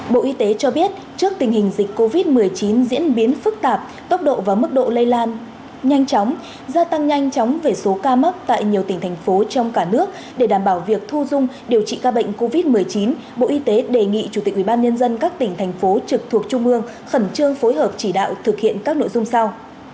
bộ y tế cho biết trước tình hình dịch covid một mươi chín diễn biến phức tạp tốc độ và mức độ lây lan nhanh chóng gia tăng nhanh chóng về số ca mắc tại nhiều tỉnh thành phố trong cả nước để đảm bảo việc thu dung điều trị ca bệnh covid một mươi chín bộ y tế đề nghị chủ tịch ubnd các tỉnh thành phố trực thuộc trung ương khẩn trương phối hợp chỉ đạo thực hiện các nội dung sau